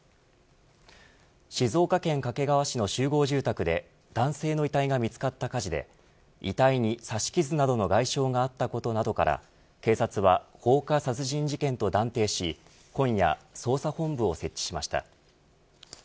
静岡県掛川市の集合住宅で男性の遺体が見つかった火事で遺体に刺し傷などの外傷があったことなどから警察は、放火殺人事件と断定し今夜、捜査本部を設置しました。